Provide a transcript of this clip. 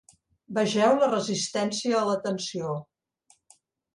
Vegeu la resistència a la tensió.